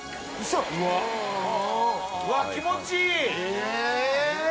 うわっ気持ちいい！